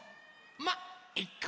まっいっか！